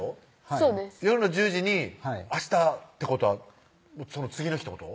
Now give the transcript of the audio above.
そうです夜の１０時に明日ってことはその次の日ってこと？